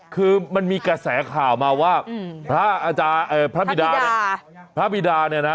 คือมันมีกระแสข่าวมาว่าพระอาจารย์พระบิดา